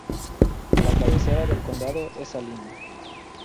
La cabecera del condado es Salina.